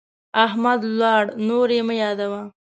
احمد ولاړ، نور يې مه يادوه.